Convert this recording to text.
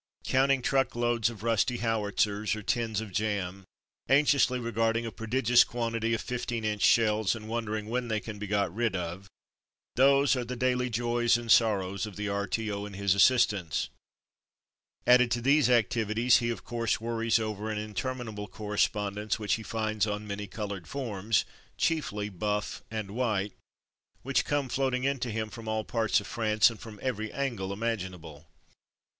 Counting truck loads of rusty howitzers, or tins of jam; anxiously regarding a prodigious quantity of fifteen inch shells and wonder ing when they can be got rid of; — those I it. " Look out, Bill, you*re sittin* on a wasps' nest. " A Typical Day's Programme 113 are the daily joys and sorrows of the R.T.O. and his assistants. Added to these activi ties, he of course worries over an intermi nable correspondence which he finds on many coloured forms (chiefly buff and white) which come floating in to him from all parts of France and from every angle imaginable.